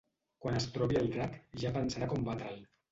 Quan es trobi el drac, ja pensarà com batre'l.